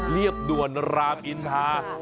เรียบด่วนรามอินทา